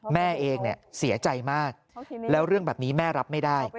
แม่เองเสียใจมากแล้วเรื่องแบบนี้แม่รับไม่ได้